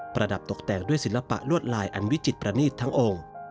ระดับตกแต่งด้วยศิลปะลวดลายอันวิจิตประนีตทั้งองค์